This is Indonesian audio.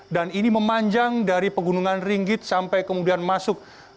dan ini memanjang dari pegunungan ringgit sampai kemudian masuk